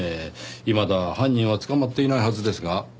いまだ犯人は捕まっていないはずですが。